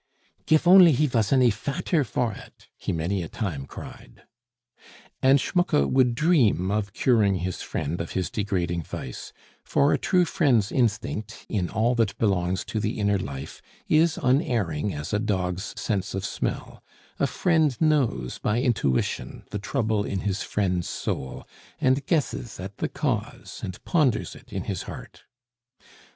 "Gif only he vas ony fatter vor it!" he many a time cried. And Schmucke would dream of curing his friend of his degrading vice, for a true friend's instinct in all that belongs to the inner life is unerring as a dog's sense of smell; a friend knows by intuition the trouble in his friend's soul, and guesses at the cause and ponders it in his heart.